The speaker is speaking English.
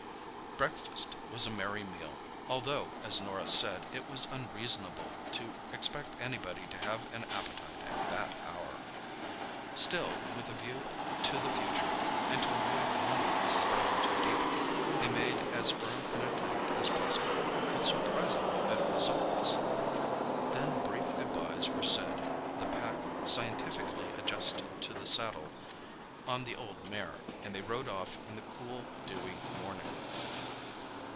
Breakfast was a merry meal, although, as Norah said, it was unreasonable to expect anybody to have an appetite at that hour. Still, with a view to the future, and to avoid wounding Mrs. Brown too deeply, they made as firm an attempt as possible, with surprisingly good results. Then brief good byes were said, the pack scientifically adjusted to the saddle on the old mare, and they rode off in the cool, dewy morning.